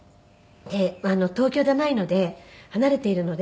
東京じゃないので離れているので。